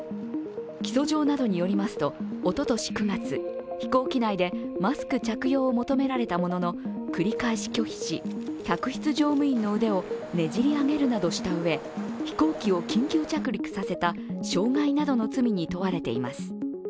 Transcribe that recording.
起訴状などによりますと、おととし９月、飛行機内でマスク着用を求められたものの繰り返し拒否し、客室乗務員の腕をねじり上げるなどしたうえ飛行機を緊急着陸させた傷害などの罪に問われています。